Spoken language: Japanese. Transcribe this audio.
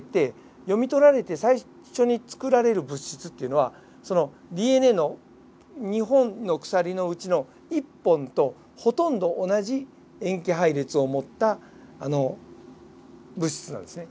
読み取られて最初に作られる物質っていうのはＤＮＡの２本の鎖のうちの１本とほとんど同じ塩基配列を持った物質なんですね。